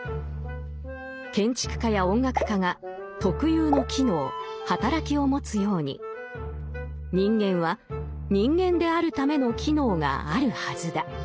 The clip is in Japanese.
建築家や音楽家が特有の機能働きを持つように人間は人間であるための機能があるはずだ。